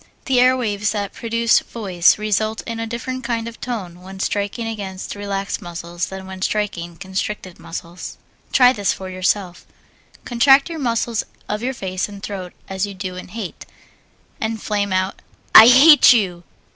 The air waves that produce voice result in a different kind of tone when striking against relaxed muscles than when striking constricted muscles. Try this for yourself. Contract the muscles of your face and throat as you do in hate, and flame out "I hate you!"